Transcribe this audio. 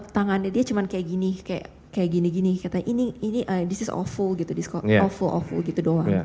tangannya dia cuma kayak gini kayak gini gini ini awful gitu awful awful gitu doang